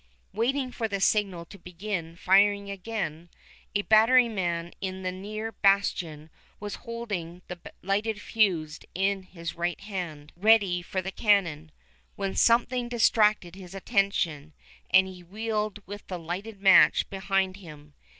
Waiting for the signal to begin firing again, a batteryman in the near bastion was holding the lighted fuse in his right hand, ready for the cannon, when something distracted his attention, and he wheeled with the lighted match behind him.